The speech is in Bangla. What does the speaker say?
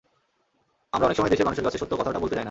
আমরা অনেক সময় দেশের মানুষের কাছে সত্য কথাটা বলতে চাই না।